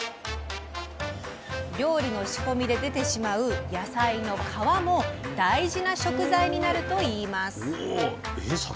料理の仕込みで出てしまう野菜の皮も大事な食材になるといいます。